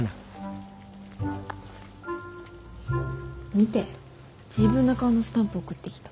見て自分の顔のスタンプ送ってきた。